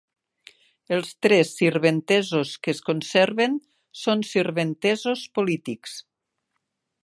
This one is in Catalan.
Els tres sirventesos que es conserven són sirventesos polítics.